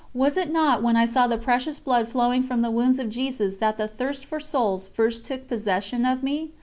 Was it not when I saw the Precious Blood flowing from the Wounds of Jesus that the thirst for souls first took possession of me?